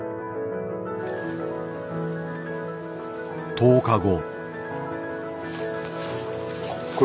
１０日後。